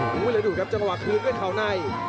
เข้าดูครับจังหวะคืนด้วยขาวใน